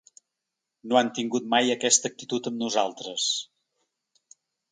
No han tingut mai aquesta actitud amb nosaltres.